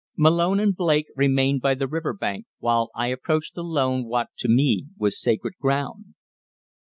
Malone and Blake remained by the river bank while I approached alone what to me was sacred ground.